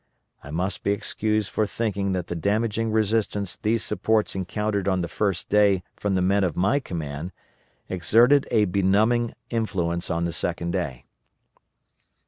I must be excused for thinking that the damaging resistance these supports encountered on the first day from the men of my command exerted a benumbing influence on the second day.